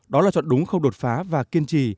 đó là chọn đúng khâu đột phá và kiên trì